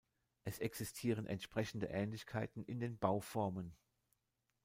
Es existieren entsprechende Ähnlichkeiten in den Bauformen.